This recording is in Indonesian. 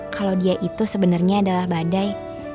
kalau dia itu sebenarnya adalah badai